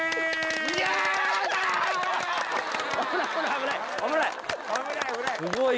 危ない！